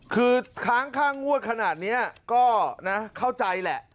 คือค้างค่างวดขนาดนี้ก็นะเข้าใจแหละ